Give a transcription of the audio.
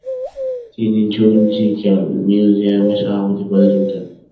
তিনি জ্যুলজিক্যাল মিউজিয়ামের সভাপতি পদে যোগ দেন।